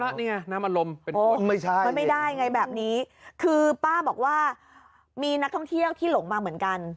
ก็มาแบบหลงมาไม่ได้ไงแบบนี้คือป้าบอกว่ามีนักท่องเที่ยวที่หลงมาเหมือนกัน